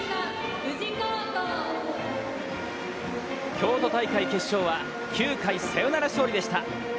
京都大会決勝は、９回サヨナラ勝利でした。